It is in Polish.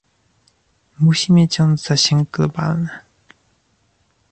Musi mieć on zasięg globalny